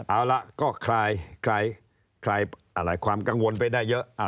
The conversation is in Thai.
เอาละก็คลายความกังวลไปได้เยอะ